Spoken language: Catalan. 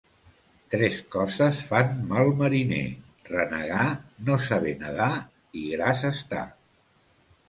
Tres coses fan mal mariner: renegar, no saber nedar i gras estar.